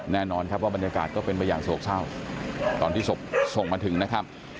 แน่นอนครับว่าบรรยากาศก็เป็นไปอย่างโศกเศร้าตอนที่ศพส่งมาถึงนะครับ